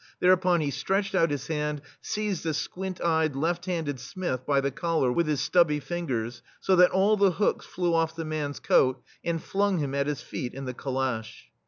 Thereupon, he stretched out his hand, seizedthesquint eyed, left handed smith by the collar with his stubby fingers, so that all the hooks flew off the man's coat, and flung him at his feet in the calash.